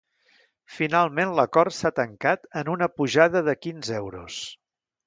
Finalment l’acord s’ha tancat en una pujada de quinze euros.